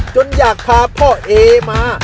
อยากพาพ่อเอมา